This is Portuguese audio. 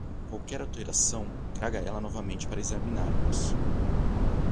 Qualquer alteração traga ela novamente para examinarmos.